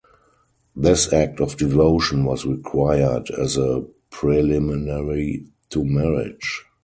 This act of devotion was required as a preliminary to marriage.